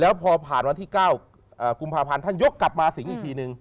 แล้วพอผ่านวันที่๙กุมภาพันธ์ท่านยกกลับมาสิงอีกทีนึง